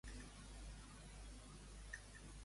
Els que marxen són els més valents.